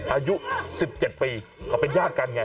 อายุ๑๗ปีเขาเป็นญาติกันไง